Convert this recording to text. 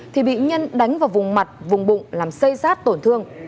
thì bị nhân đánh vào vùng mặt vùng bụng làm xây rát tổn thương